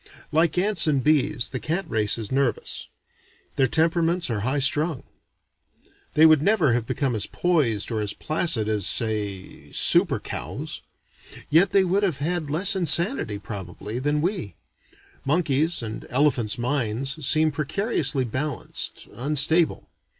Like ants and bees, the cat race is nervous. Their temperaments are high strung. They would never have become as poised or as placid as say super cows. Yet they would have had less insanity, probably, than we. Monkeys' (and elephants') minds seem precariously balanced, unstable.